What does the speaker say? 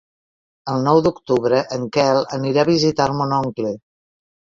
El nou d'octubre en Quel anirà a visitar mon oncle.